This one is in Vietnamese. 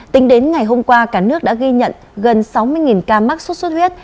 tính đến ngày hôm qua cả nước đã ghi nhận gần sáu mươi ca mắc sốt xuất huyết